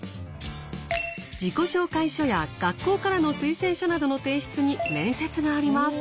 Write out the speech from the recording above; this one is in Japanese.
自己紹介書や学校からの推薦書などの提出に面接があります。